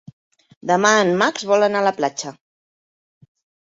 Demà en Max vol anar a la platja.